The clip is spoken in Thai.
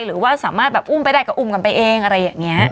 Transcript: หรือว่าสามารถแบบอุ้มไปได้ก็อุ้มกันไปเองอะไรอย่างนี้